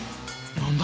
何だ？